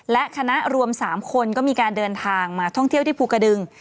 และคณะรวม๓คนก็มีการเดินทางมาท่องเที่ยวที่ภูกระดึง